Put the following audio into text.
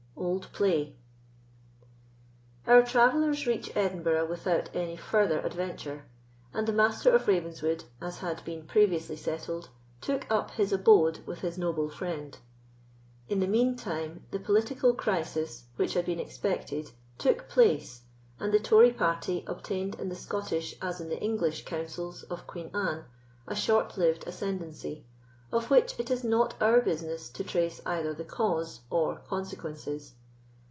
Old Play. Our travellers reach Edinburgh without any farther adventure, and the Master of Ravenswood, as had been previously settled, took up his abode with his noble friend. In the mean time, the political crisis which had been expected took place, and the Tory party obtained in the Scottish, as in the English, councils of Queen Anne a short lived ascendency, of which it is not our business to trace either the cause or consequences.